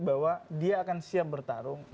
bahwa dia akan siap bertarung